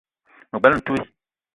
Me bela ntouii